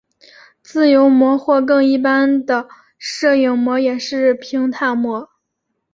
自由模或更一般的射影模也是平坦模。